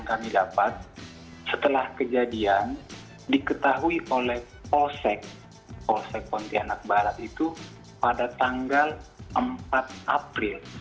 kami dapat setelah kejadian diketahui oleh polsek polsek pontianak barat itu pada tanggal empat april